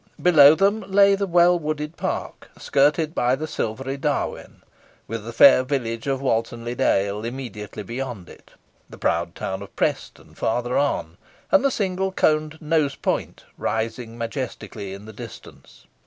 Below them lay the well wooded park, skirted by the silvery Darwen, with the fair village of Walton le Dale immediately beyond it, the proud town of Preston further on, and the single coned Nese Point rising majestically in the distance.